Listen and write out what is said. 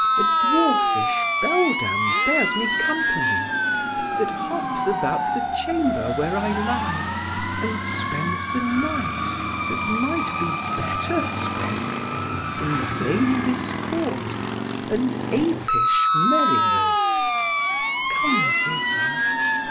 A dwarfish beldam bears me company, That hops about the chamber where I lie, And spends the night, that might be better spent, In vain discourse and apish merriment: Come thither."